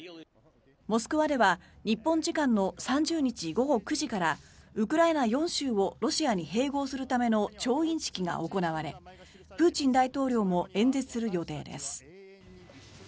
モスクワでは日本時間の３０日午後９時からウクライナ４州をロシアに併合するための調印式が行われプーチン大統領も演説する予定です。